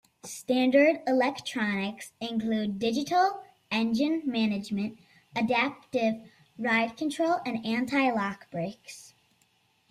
Standard electronics included digital engine management, adaptive ride control and anti-lock brakes.